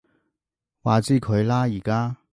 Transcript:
話之佢啦而家